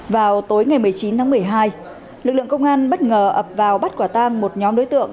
vào tối ngày một mươi chín tháng một mươi hai lực lượng công an bất ngờ ập vào bắt quả tang một nhóm đối tượng